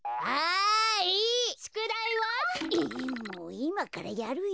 いまからやるよ。